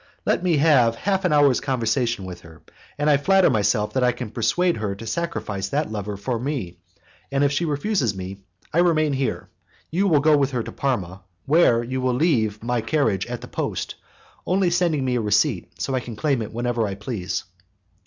Let me have half an hour's conversation with her, and I flatter myself I can persuade her to sacrifice that lover for me. If she refuses me, I remain here; you will go with her to Parma, where you will leave my carriage at the post, only sending me a receipt, so that I can claim it whenever I please."